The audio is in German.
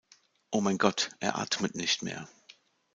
Oh mein Gott! Er atmet nicht mehr!